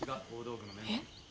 えっ？